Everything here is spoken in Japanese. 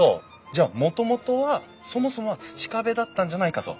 じゃあもともとはそもそもは土壁だったんじゃないかと。